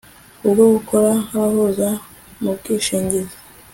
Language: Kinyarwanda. ubwo gukora nk abahuza mu bwishingizi